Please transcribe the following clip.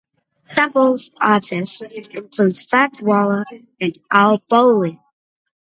Sampled artists include Fats Waller and Al Bowlly.